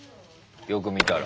よく見たら。